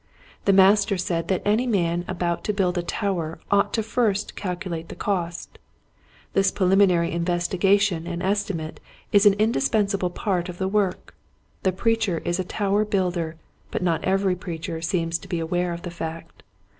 The Master said that any man about to build a tower ought first to calculate the cost. This prelimi nary investigation and estimate is an indis pensable part of the work. The preacher is a tower builder but not every preacher seems to be aware of the fact.